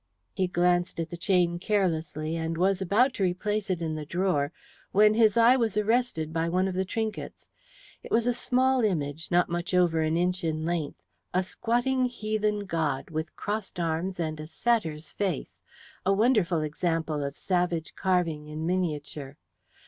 He glanced at the chain carelessly, and was about to replace it in the drawer, when his eye was arrested by one of the trinkets. It was a small image, not much over an inch in length; a squatting heathen god, with crossed arms and a satyr's face a wonderful example of savage carving in miniature.